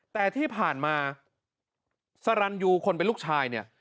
แต่ที่ผ่านมาสรรยูคนเป็นลูกชายเนี่ย